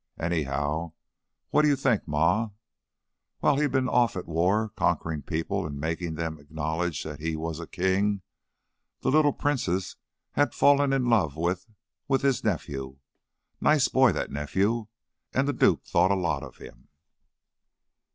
Anyhow, what do you think, Ma? While he'd been off at war conquering people and making them acknowledge that he was a king, the little princess had fallen in love with with his nephew. Nice boy, that nephew, and the duke thought a lot of him."